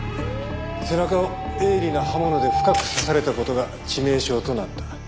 背中を鋭利な刃物で深く刺された事が致命傷となった。